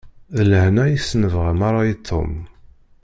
D lehna i s-nebɣa merra i Tom.